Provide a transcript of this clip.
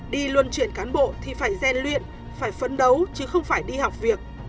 đi luân chuyển cán bộ thì phải rèn luyện phải phấn đấu chứ không phải đi học việc